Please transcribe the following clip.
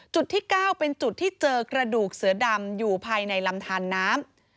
ที่๙เป็นจุดที่เจอกระดูกเสือดำอยู่ภายในลำทานน้ำ